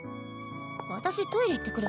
私トイレ行ってくる。